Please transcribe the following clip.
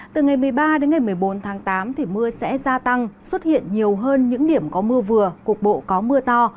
từ ngày một mươi ba đến ngày một mươi bốn tháng tám thì mưa sẽ gia tăng xuất hiện nhiều hơn những điểm có mưa vừa cục bộ có mưa to